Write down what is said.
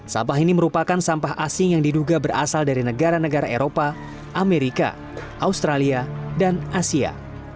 sampah ini merupakan sampah asing yang diduga berasal dari negara negara eropa amerika australia dan asia